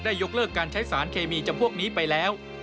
ยกเลิกการใช้สารเคมีจำพวกนี้ไปแล้ว